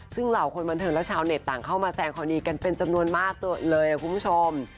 ซึ่งเหล่าคนบันเทิงและชาวเน็ตต่างเข้ามาแสงความดีกันเป็นจำนวนมากเลยคุณผู้ชม